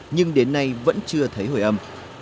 nhưng đến nay vẫn chưa thấy hồi âm